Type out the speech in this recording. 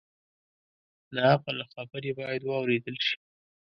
د عقل خبرې باید واورېدل شي